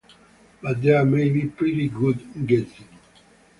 But there may be pretty good guessing.